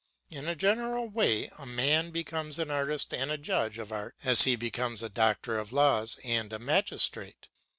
In a general way a man becomes an artist and a judge of art as he becomes a Doctor of Laws and a magistrate.